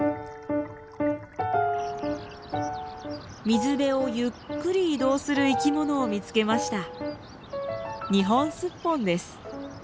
水辺をゆっくり移動する生きものを見つけました。